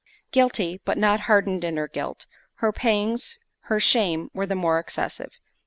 Guilty, but not hardened in her guilt, her pangs, her shame were the more excessive.